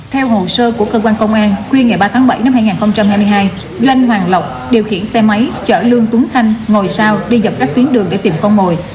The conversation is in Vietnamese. theo hồ sơ của cơ quan công an khuya ngày ba tháng bảy năm hai nghìn hai mươi hai doanh hoàng lộc điều khiển xe máy chở lương tuấn khanh ngồi sau đi dọc các tuyến đường để tìm con mồi